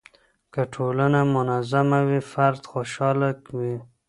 که ټولنه منظمه وي فرد خوشحاله وي.